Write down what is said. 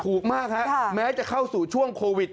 ถูกมากฮะแม้จะเข้าสู่ช่วงโควิด